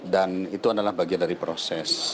dan itu adalah bagian dari proses